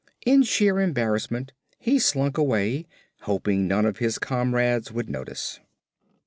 In sheer embarrassment he slunk away, hoping none of his comrades would notice.